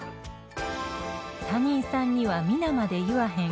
他人さんには皆まで言わへん。